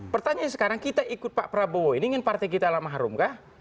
pertanyaan sekarang kita ikut pak prabowo ini ingin partai kita almarhum kah